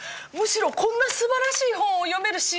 むしろこんなすばらしい本を読める